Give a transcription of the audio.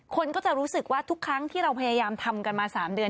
คนก็จะรู้สึกว่าทุกครั้งที่เราพยายามทำกันมา๓เดือน